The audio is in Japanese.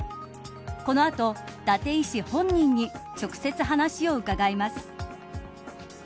この後、伊達医師本人に直接、お話を伺います。